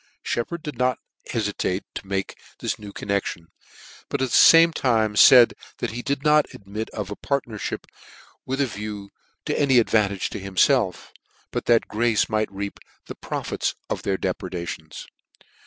Sheppard did net heficate to make this JOHN SHEPPARD for Burglary. 397 this new connexion ; but at the fame time faid that he did not admit of the partnerfhip with a view to any advantage to himfelf, but that Grace might reap the profits of their depredations.